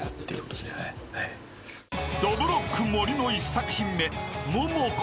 ［どぶろっく森の１作品目ＭＯＭＯ子］